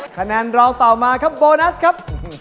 คะแนนรองต่อมาครับโบนัสครับ